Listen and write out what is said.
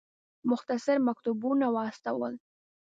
مختصر مکتوبونه واستول.